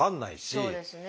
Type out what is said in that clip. そうですね。